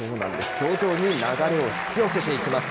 徐々に流れを引き寄せていきます。